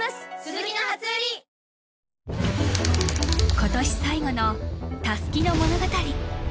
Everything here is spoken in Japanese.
今年最後のたすきの物語。